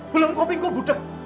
belum kopi gue budek